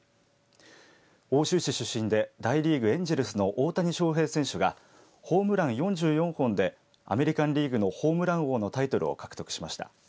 奥州市出身で大リーグエンジェルスの大谷翔平選手がホームラン４４本でアメリカンリーグのホームラン王のタイトルを獲得しました。